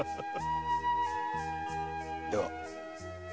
では。